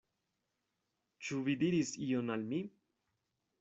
Ĉu vi diris ion al mi?